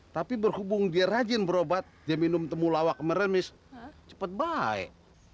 tapi berhubung dia rajin berobat dia minum temulawak meremis cepat baik